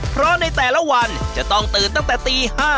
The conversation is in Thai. เพราะในแต่ละวันจะต้องตื่นตั้งแต่ตี๕